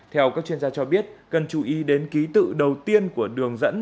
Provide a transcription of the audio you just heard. theo các chuyên gia cho biết cần chú ý đến ký tự đầu tiên của đường dẫn